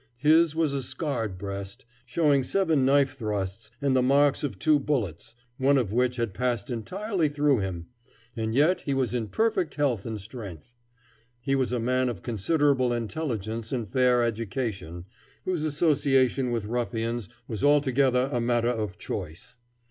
His was a scarred breast, showing seven knife thrusts and the marks of two bullets, one of which had passed entirely through him. And yet he was in perfect health and strength. He was a man of considerable intelligence and fair education, whose association with ruffians was altogether a matter of choice.